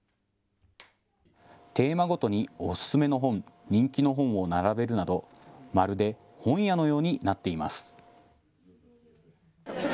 テーマごとにおすすめの本、人気の本を並べるなどまるで本屋のようになっています。